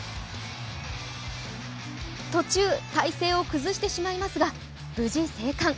途中、体勢を崩してしまいますが無事生還。